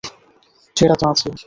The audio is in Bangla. সেটা তো আছেই।